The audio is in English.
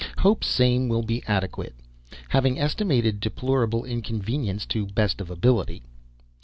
Hope same will be adequate, having estimated deplorable inconvenience to best of ability.